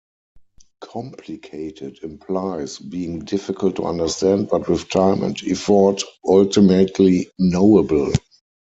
Complicated implies being difficult to understand but with time and effort, ultimately knowable.